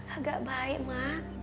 agak baik mak